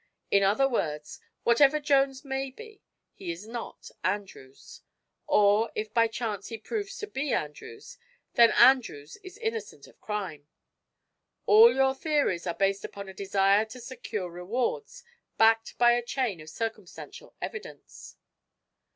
In other words, whatever Jones may be, he is not Andrews; or, if by chance he proves to be Andrews, then Andrews is innocent of crime. All your theories are based upon a desire to secure rewards, backed by a chain of circumstantial evidence."